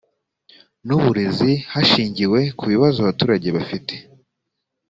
n uburezi hashingiwe ku bibazo abaturage bafite